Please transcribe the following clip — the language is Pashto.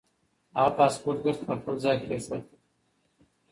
هغه پاسپورت بېرته پر خپل ځای کېښود.